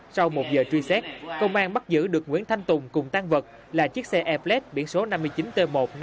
sau một giờ truy xét công an bắt giữ được nguyễn thanh tùng cùng tan vật là chiếc xe e plat biển số năm mươi chín t một trăm năm mươi ba nghìn bốn trăm linh ba